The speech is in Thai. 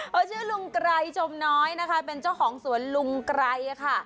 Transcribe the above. เขาชื่อลุงไกรชมน้อยเป็นเจ้าของสวนลุงไกร